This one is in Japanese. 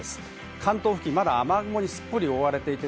関東付近、雨雲にすっぽり覆われています。